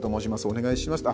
お願いします」